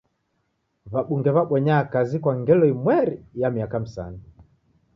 W'abunge w'abonya kazi kwa ngelo imweri ya miaka misanu.